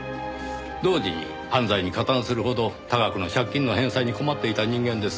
同時に犯罪に加担するほど多額の借金の返済に困っていた人間です。